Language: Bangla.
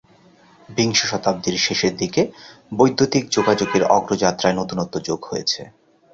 বিংশ শতাব্দীর শেষের দিকে বৈদ্যুতিন যোগাযোগের অগ্রযাত্রায় নতুনত্ব যোগ হয়েছে।